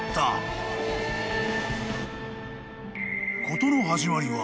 ［事の始まりは］